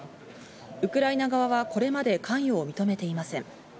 ウクライナ側はこれまで関与を認めていません。